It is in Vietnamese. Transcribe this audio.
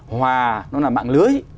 hòa nó là mạng lưới